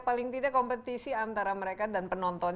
paling tidak kompetisi antara mereka dan penonton